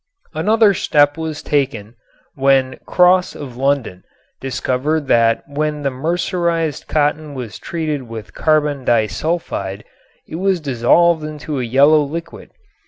Another step was taken when Cross of London discovered that when the mercerized cotton was treated with carbon disulfide it was dissolved to a yellow liquid.